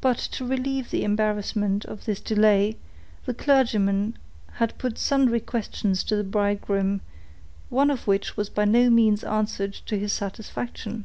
But to relieve the embarrassment of this delay, the clergyman had put sundry questions to the bridegroom; one of which was by no means answered to his satisfaction.